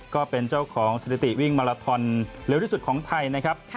ก็เป็นเจ้าของสถิติวิ่งมาลาทอนเร็วที่สุดของไทยนะครับ